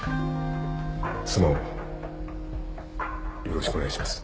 妻をよろしくお願いします。